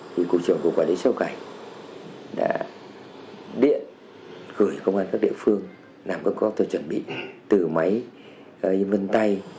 thì cụ trưởng của quản lý xuất nhập cảnh đã điện gửi công an các địa phương làm các góp tôi chuẩn bị từ máy vân tay